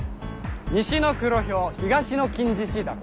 「西の黒ヒョウ東の金獅子」だろ。